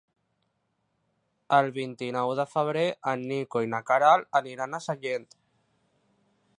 El vint-i-nou de febrer en Nico i na Queralt aniran a Sellent.